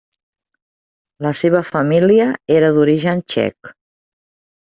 La seva família era d'origen txec.